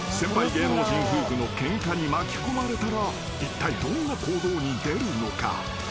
芸能人夫婦のケンカに巻き込まれたらいったいどんな行動に出るのか？］